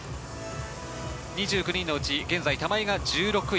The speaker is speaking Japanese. ２９人のうち現在、玉井が１６位。